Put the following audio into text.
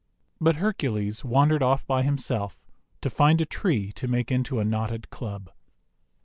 But Hercules wandered off by him self to find a tree to make into a knotted club.